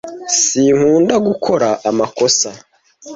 Sinkunda gukora amakosa.